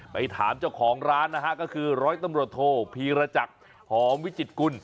ไปถามเจ้าของร้านนะฮะก็คือร้อยตำรวจโทพีรจักรหอมวิจิตกุล